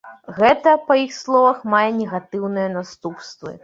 Гэта, па іх словах, мае негатыўныя наступствы.